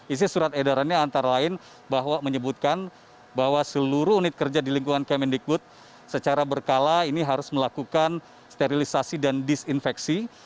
isi surat edarannya antara lain bahwa menyebutkan bahwa seluruh unit kerja di lingkungan kemendikbud secara berkala ini harus melakukan sterilisasi dan disinfeksi